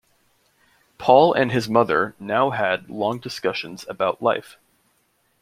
Paul and his mother now had long discussions about life.